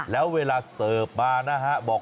แล้วเวลาเสิร์ฟมานะฮะบอก